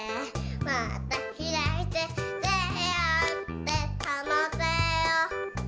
「またひらいててをうってそのてを」